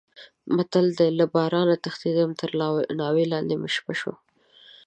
متل دی: له بارانه تښتېدم تر ناوې لانې مې شپه شوه.